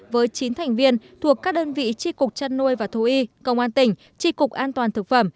với chín thành viên thuộc các đơn vị tri cục chăn nuôi và thú y công an tỉnh tri cục an toàn thực phẩm